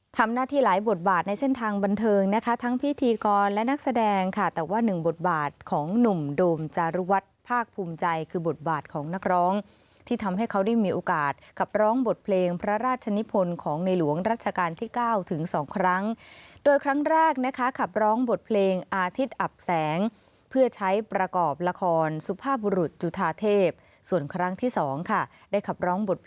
ทำหน้าที่หลายบทบาทในเส้นทางบันเทิงนะคะทั้งพิธีกรและนักแสดงค่ะแต่ว่าหนึ่งบทบาทของหนุ่มโดมจารุวัฒน์ภาคภูมิใจคือบทบาทของนักร้องที่ทำให้เขาได้มีโอกาสขับร้องบทเพลงพระราชนิพลของในหลวงรัชกาลที่๙ถึงสองครั้งโดยครั้งแรกนะคะขับร้องบทเพลงอาทิตย์อับแสงเพื่อใช้ประกอบละครสุภาพบุรุษจุธาเทพส่วนครั้งที่สองค่ะได้ขับร้องบท